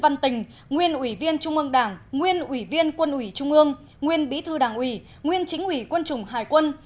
nguyên ủy viên quân ủy trung ương nguyên bí thư đảng ủy nguyên chính ủy quân chủng hải quân